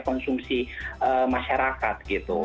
konsumsi masyarakat gitu